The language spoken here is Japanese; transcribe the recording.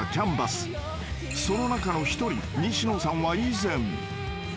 ［その中の一人西野さんは以前］